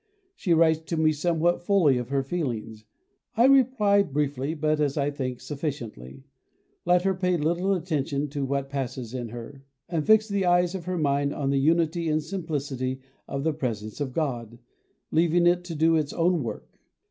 She writes to me somewhat fully of her feelings. I reply briefly, but, as I think, sufficiently. Let her pay little attention to what passes in her, and fix the eyes of her mind on the unity and simplicity of the presence of God, leaving it to do its own work.